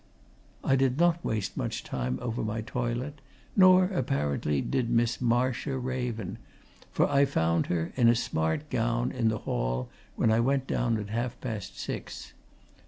I did not waste much time over my toilet, nor, apparently did Miss Marcia Raven, for I found her, in a smart gown, in the hall when I went down at half past six.